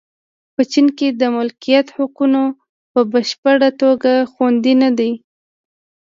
په چین کې د مالکیت حقونه په بشپړه توګه خوندي نه دي.